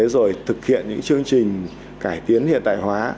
rồi thực hiện những chương trình cải tiến hiện đại hóa